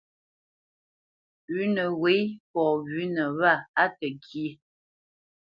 Pʉ̌nə wê fɔ wʉ̌nə wâ á təŋkyé.